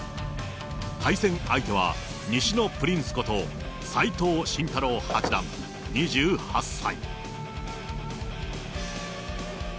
対戦相手は、西のプリンスこと、斎藤慎太郎八段２８歳。